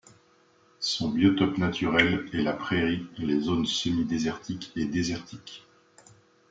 Son biotope naturel est la prairie, les zones semi-désertiques et désertiques.